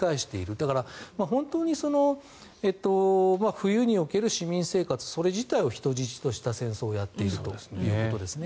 だから本当に冬における市民生活それ自体を人質とした戦争をやっているということですね。